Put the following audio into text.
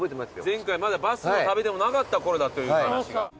前回まだバスの旅でもなかったころだという話が。